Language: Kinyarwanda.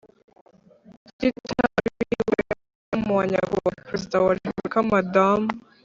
kitabiriwe na Madamu wa Nyakubahwa Perezida wa Repubulika Madamu